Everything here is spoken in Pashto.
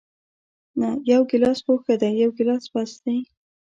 نه، یو ګیلاس خو ښه دی، یو ګیلاس بس دی.